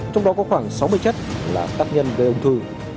trong đó có khoảng sáu mươi chất là tác nhân gây ung thư